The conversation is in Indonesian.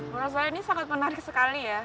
ya menurut saya ini sangat menarik sekali ya